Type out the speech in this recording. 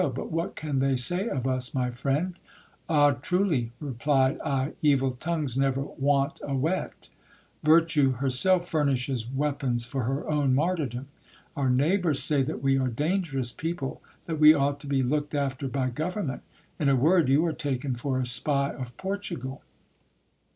but what can they say of us, my friend ? Ah ! truly, replied I, evil tongues never want a whet Virtue herself furnishes weapons for her own martyrdom. Our neighbours say that we are dangerous people, that we ought to be looked ifter by government ; in a word, you are taken for a spy of Portugal.